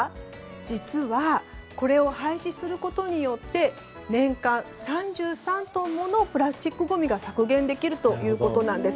実は、これを廃止することによって年間３３トンものプラスチックごみが削減できるということです。